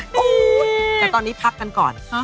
แต่ตอนนี้พักกันก่อน